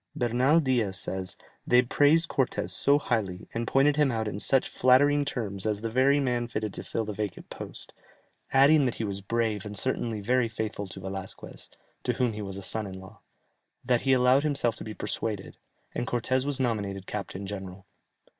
Bernal Diaz says, "They praised Cortès so highly, and pointed him out in such flattering terms as the very man fitted to fill the vacant post, adding that he was brave and certainly very faithful to Velasquez (to whom he was son in law), that he allowed himself to be persuaded, and Cortès was nominated captain general.